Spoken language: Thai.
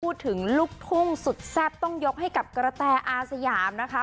พูดถึงลูกทุ่งสุดแซ่บต้องยกให้กับกระแตอาสยามนะคะ